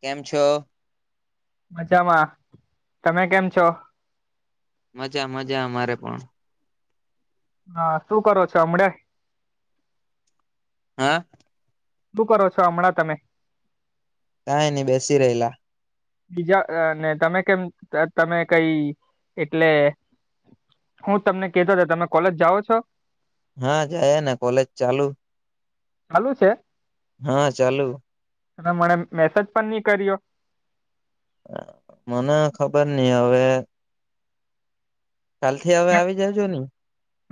કેમ છો. મજામાં તમે કેમ છો? મજા મજા મારે પણ. હા શું કરો છો હમડે? હા. શું કરો છો હમણાં તમે. કઈ નઈ ન બેેશી રેલા. બીજા અ અને તમે કેમ અ તમે કઈ એટલે હું તમને કતો હતો તમે કોલેજ જાઓ છો? હા જાયે ને કોલેજ ચાલુ. ચાલુ છે. હા ચાલુ. હા મને મેસેજ પણ ની કર્યો. મને ખબર નઈ હવે. કાલ થી આવી જાજો ની.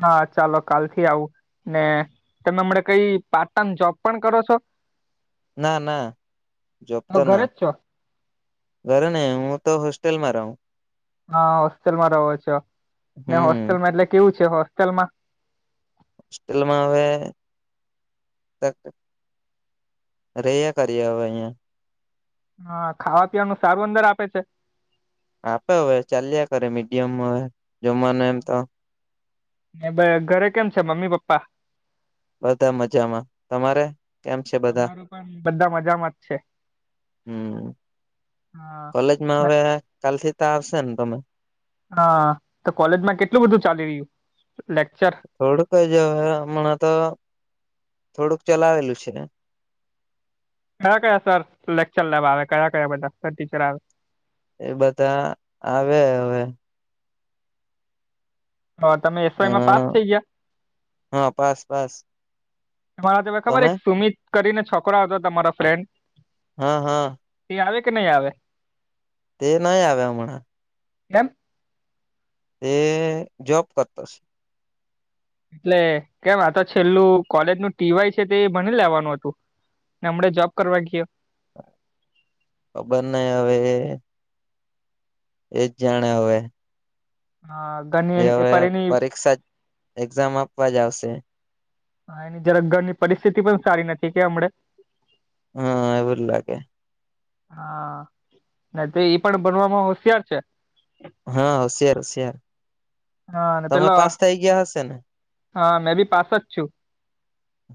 હા ચાલો કાલથી આવું ને તમે હમણા કઈ પાર્ટ ટામ જોબ પણ કરો છો? ના ના જોબ તો ઘરે ના. જ છો ઘરે ને હું તો હોસ્ટેલ માં રહું. હા હોસ્ટેલમાં રહો છો ને હમ હોસ્ટેલમાં એટલે કેવું છે હોસ્ટેલમાં. હોસ્ટેલમાં હવે રહ્યા કરીએ હવે અહીંયા. હા ખાવા પીવાનું સારું અંદર આપે છે. આપે હવે ચાલ્યા કરે મીડિયમ હવે જમવાનું એમ તો. ઘરે કેમ છે મમ્મી પપ્પા. બધા મજામાં તમારે કેમ છે બધા. અમારું પણ બધા મજામાં જ છે હમ કોલેજમાં હા હવે કાલ થી તો આવશે ને તમે. હા તો કોલેજમાં કેટલું બધું ચાલી રહ્યું લેક્ચર. થોડુંક જ હવે હણાં તો થોડુંક ચલાવેલું છે. કયા કયા સર લેક્ચર લેવા આવે કયા કયા બધા સર ટીચર આવે. એ બધા આવે હવે. હા તમે અ એસવાયમાં પાસ થઈ ગયા? હા પાસ પાસ તમારા જોડે ખબર તમે એક સુમિત કરીને છોકરા આવતો હતો તમારો ફ્રેન્ડ. હા હા. તે આવે કે નહીં આવે. તે નહી આવે હમણાં. કેમ. તે જોબ કરતોશે. એટલે કેમ આ તો છેલ્લું કોલેજ નું ટીવાય છે તે એ ભણી લેવાનું હતું. ને હમણે જોબ કરવા ગયો. ખબર નઈ હવે એ એજ જાણે હવે હા. એ હવે પરીક્ષા એક્ઝામ આપવા જ આવશે. હા જરા ઘરની પરિસ્થિતિ પણ નથી કે હમડે. હા એવું લાગે. હા તે ઈ પણ બનવામાં હોશિયાર છે. હા હોશિયાર શે. હા પેલા ગયા હશે ને હા મેં બી પાસ જ છું.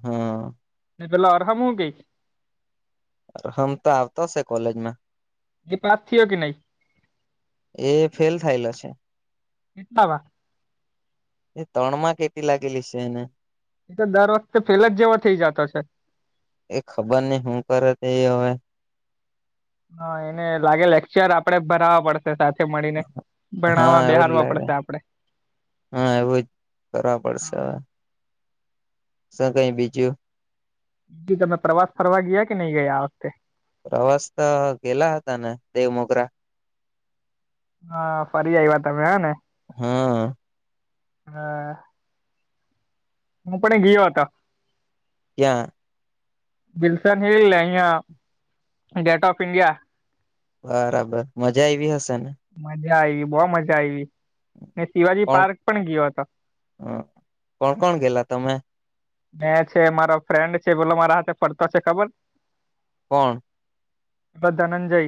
હા. એ પેલા આર હમ્મ હુ કે? હમ તો આવતો હશે કોલેજમાં. એ પાસ થયો કે નહી એ ફેલ થયેલો છે. કેટલા મા? એ તણમાં કેટી લાગેલી છે એને. એ તો દર વખતે ફેલ જ જેવા થઇ જતો છે. એ ખબર નઈ હુ કરેએ હવે. હા એને લાગે લેક્ચર આપડે ભરાવા પડશે. સાથે મળીને હા ભણવા એવું જ બેહાળવા લાગે પડશે આપડે. હા એવું જ કરવા પડશે હવે શું કે બીજુ? ઈ તમે પ્રવાસ ફરવા ગયા કે નહી ગયા આ વખતે? પ્રવાસ તો ગેલા હતા ને દેવમોગરા. હા ફરી આવ્યા તમે હે ને. હા. હા. હું પણ એ ગયો હતો. ક્યા? વિલસન હીલ ને અહીંયા ગેટ ઓફ ઇન્ડિયા. બરાબર મજા આયવી હશે ને? મજા આવી બહું મજા આવી ને શિવાજી કોણ પાર્ક પણ ગયો હતો. કોણ કોણ ગેલા તમે? મેં છે મારો ફ્રેન્ડ છે બોલો મારા હાથે ફરતો છે ખબર? કોણ? બધા ને જઈ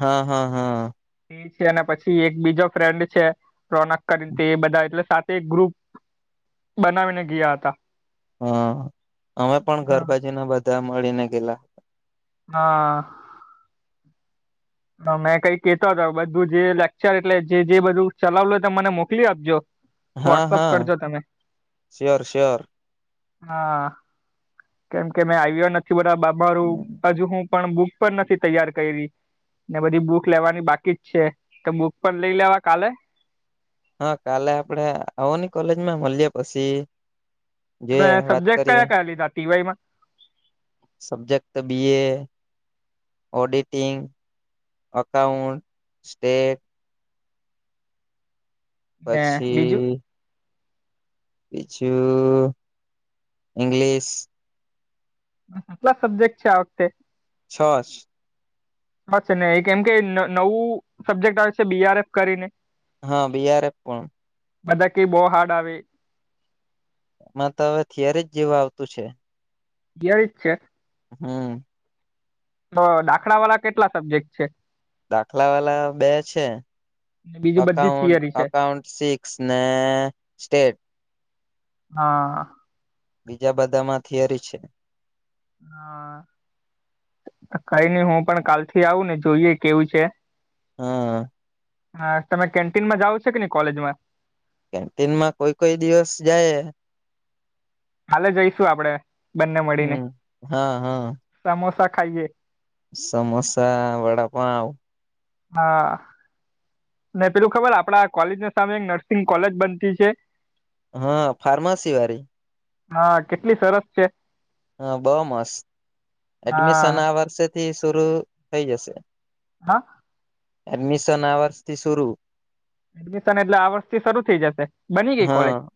હા હા હા. એ છે અને પછી એક બીજો ફ્રેન્ડ છે. રોનક કરીને તે એ બધા એટલે સાથે એક ગ્રુપ બનાવીને ગયા હતા. હા અમે પણ ઘરબાજી ના બધા મળીને ગેલા. હા. હ મેં કઈ કેતો હતો બધું જે લેક્ચર એટલે જે જે બધું ચલાવલય ત મને મોકલી આપજો હા વોટ્સઅપ હા કરજો તમે શ્યોર શ્યોર હા કેમ કે મેં આવ્યા નથી બધા બાપા હારું હજુ હું. પણ બુક પણ નથી તૈયાર કઈરી ને બધી બુક લેવાની બાકી જ છે તો બુક પણ લઈ લેવા કાલે હા કાલે આપડે આવો ની કોલેજમાં મલિએ પછી જોઈએ અને વાત સબ્જેક્ટ કરીએ કયા કયા લીધા તીવાય માં subject B A auditing accountant state ને બીજું પછી બીજું ઇંગ્લિશ આટલા જ સબ્જેક્ટ છે આ વખતે. છ સ હ છે ને એ કેમ કે નવું સબ્જેક્ટ આવે છે બીઆરએફ કરીને હા બીઆરએફ પણ બધા કે બહુ હાર્ડ આવે માં તો હવે થિયરી જ જેવું આવતું છે થિયરી જ છે હમ તો દાખલા વાળા કેટલા સબ્જેક્ટ છે દાખલા વાલા બે છે ને બીજું બધી અકાઉન્ટ થિયરી છે અકાઉન્ટ સિક્સ ને સ્ટેટ હા બીજા બધામાં થિયરી છે હા કઈ નઈ હું પણ કાલ થી આવું ને જોઈએ કેવું છે હા હા તમે કેન્ટીન માં જાવ છે કે ની કોલેજમાં કેન્ટીન માં કોઈ કોઈ દિવસ જાયે કાલે જઈશું આપડે બંને મળીને હમ હા હા સમોસા ખાઈએ સમોસા વડાપાઉં હા ને પેલું ખબર આપડા કોલેજ સામે એક નર્સિંગ કોલેજ બનતી છે હા ફાર્માસી વારી હા કેટલી સરસ છે હ બોવ મસ્ત એડમિશન હા આ વર્ષેથી શરુ થઈ જશે હા એડમિશન આ વર્ષ થી શરૂ એડમિશન એટલે આ વર્ષથી શરૂ થઈ જશે બની ગઈ કોલેજ? હા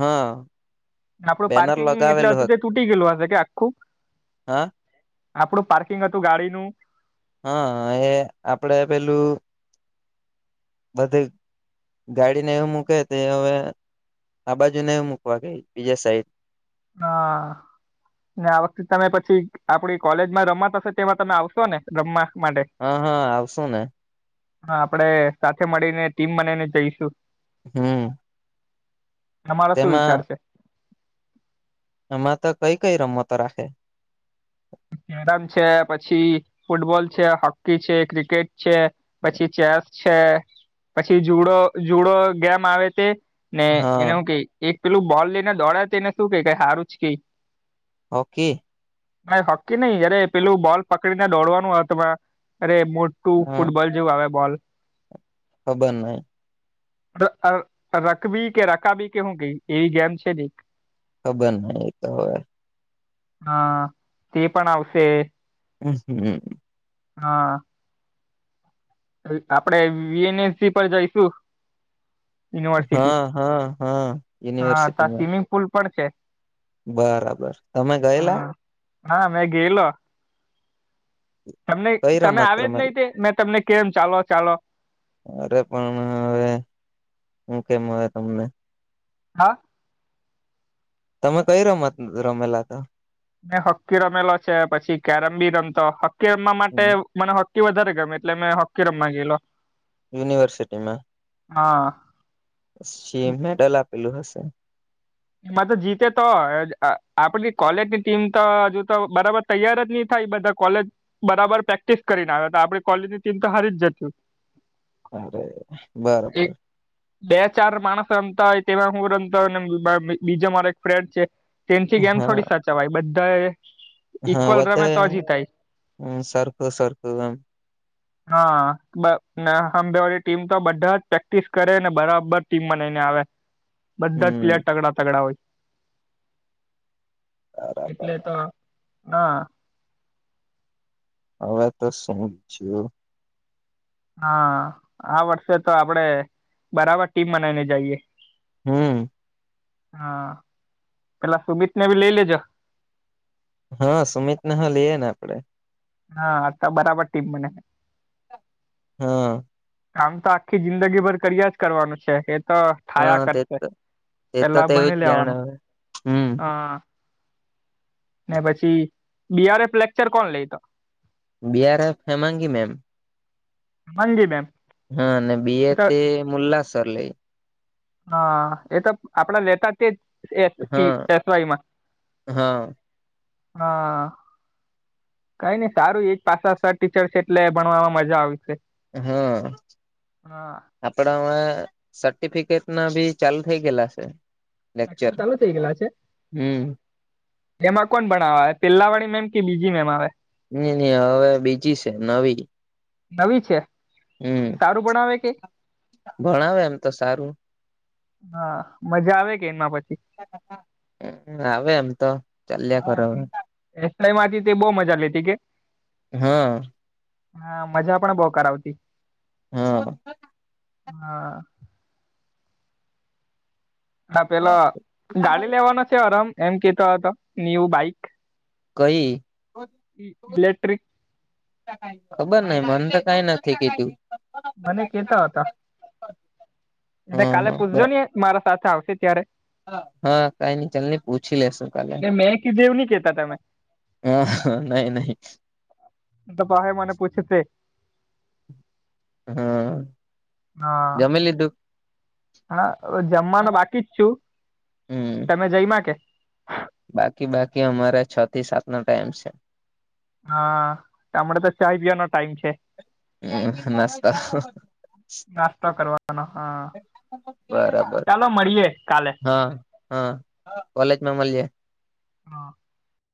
હા આપડું બેનર પાર્કિંગ એટલે લગાવેલું હતું તે તૂટી ગયેલું હશે કે આખું હા આપડું પાર્કિંગ હતું ગાડીનું હા એ આપડે પેલું બધે ગાડીને એવું મૂકે તે હવે આ બાજુ ને મુકવા કે બીજા સાઈડ હા આ વખતે તમે પછી આપડી કોલેજમાં રમત હશે તેમાં તમે આવશો ને રમવા માટે હા હા આવશું ને હા આપડે સાથે મળીને ટીમ બનાઇ ને જઈશું હમ તમારા શું તેમાં વિચાર છે એમાં તો કઈ કઈ રમતો રાખે [unintelligible] છે પછી ફૂટબોલ છે હોકી છે ક્રિકેટ છે પછી ચેસ છે પછી જુડો જુડો ગેમ આવે તે ને એને હા હું કે એક પેલું બોલ લઈને દોડ તેને શું કે હારું જ કે હોકી ના હોકી નહી અરે પેલું બોલ પકડીને દોડવાનું આ તમા રે મોટું હા ફૂટબોલ એવું આવે બોલ ખબર નહી રકબી કે રકાબી કે હું કઈ એવી ગેમ છે ને ખબર નહી એ તો હવે હા તે પણ આવશે [unintelligible] હા આપણે વિ એન એસ સી પર જઈશું યુનિવર્સિટી હા હા હા હા તા યુનિવર્સિટીમાં સ્વિમિંગ પુલ પણ છે. બરાબર તમે ગયેલા હા હા મેં ગેલો તમને કઈ તમે રમત આવે જ રમેલ નહી તે મેં તમને કેમ ચાલો ચાલો અરે પણ હવે હું કેમ હવે તમને હા તમે કઈ રમત રમેલા હતા મે હોક્કી રમેલો છે પછી કેરમ બી રમતો હોકી રમવા માટે મને તે વધારે ગમે એટલે મેં હોકી રમવા ગેલો યુનિવર્સિટીમાં હા સી એમ મેડલ આપેલું હશે. એમાં તો જીતે તો આ આપણી કોલેજની ટીમ તો હજુ તો બરાબર તૈયાર જ નહી થાય બધા કોલેજ બરાબર પ્રેક્ટિસ કરીને આવે તો આપડી કોલેજ ની ટીમ તો હારી જ જતી અરે હોય. એક બરોબર બે ચાર માણસ રમતા હોય તેમાં હું રમતા હોય ને બા મા બીજો મારે એક ફ્રેન્ડ છે તેનથી ગેમ હા થોડી સાચાવાય બધાએ હા બધાએ સરખું સરખું રમ હા બ ના હાંબે વાળી ટીમ તો બધા જ પ્રેક્ટિસ કરે ને બરાબર ટીમ બનાઈને આવે બધા જ હમ પ્લેયર તગડા તગડા હોય બરાબર એટલે તો હા હવે તો શું છે હા આ વર્ષે તો આપડે બરાબર ટીમ બનાવીને જાઈએ હમ્મ હા પેલા સુમિત ને ભી લઈ લે જે હા સુમિત ને હ લઈએ ને આપણે હા હ ત બરાબર ટીમ બને હા કામ તો આખી જિંદગી ભર કર્યા જ કરવાનું છે એ તો થાયા હા તે કરશે તે તો પેલા તેવું પયણી જ જાણ લેવાનું હવે હમ હા. ને પછી બીઆરએફ લેક્ચર કોણ લઈ તો. બીઆરએફ ફેમાંગી મેમ. હેમાંગી મેમ હા અને બીએ એ તો તે મુલ્લાસર લેય. હા એ તો આપડા લેતા તે જ [inaudible] ટી હા એસ વાયમાં. હા હા કઈ નઈ સારું એક જ પાછા સર ટીચર છે એટલે ભણવામાં મજા આવસે. હા આપડામાં સર્ટિફિકેટ ના ભી ચાલુ થય ગેલા છે. લેક્ચર [inaudible] ચાલુ થઈ ગેલા છે હમ એમાં કોણ ભણાવા આવે પેલા વાળી મેમ કે બીજી મેમ આવે. ની ની હવે બીજી છે નવી. નવી છે. હમ સારું ભણાવે કે ભણાવે એમ તો સારું હા મજા આવે કે એમાં પછી આવે એમ તો ચાલ્યા કરે હવે એસ વાય માંથી તે બહું મજા લેતી કે હા હા મજા પણ બહુ કરાવતી હા હા હ પેલો ગાડી લેવાનો છે અરમ એમ કેતો હતો ન્યુ બાઈક કઈ ઇલેક્ટ્રિક ખબર નહિ મન તો કઈ નથી કીધું મને કેતા હતો એને કાલે હા પૂછજો હા ને મારા સાથે આવશે ત્યારે હા કઈ નહિ ચાલને પૂછી લેસુ હ ને મેં કીધું એવું નહી કેતા તમે નહી નહી તો પહિ મને પછુસે હા હા જમી લીધું હા હવે જમવાનું બાકી જ છું હમ તમે જઈમાં કે બાકી બાકી અમારે છ થી સાત નો ટાઈમ છે હા હમણા તો ચાઇ પિવાનો ટાઈમ છે હમ નાસ્તા નાસ્તો કરવાનો હા બરાબર ચાલો મળીએે કાલે હા હા કોલેજમાં મલિએ હા